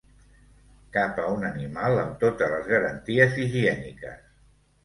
Capa un animal amb totes les garanties higièniques.